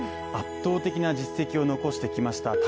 圧倒的な実績を残してきました